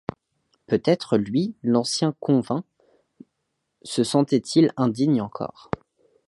Peut-être, lui, l’ancien convict, se sentait-il indigne encore!